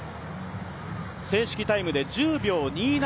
正式タイムで１０秒２７。